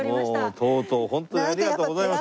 もうとうとうホントにありがとうございます。